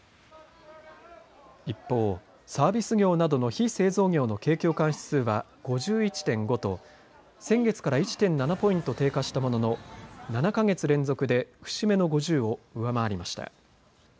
一方、サービス業などの非製造業の景況感指数は５１．５と先月から１．７ポイント低下したものの７か月連続で節目の５０を上回りました。